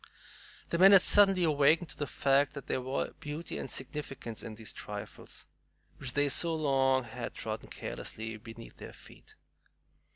The men had suddenly awakened to the fact that there were beauty and significance in these trifles, which they had so long trodden carelessly beneath their feet.